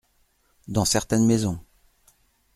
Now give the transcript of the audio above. Dans certaines maisons.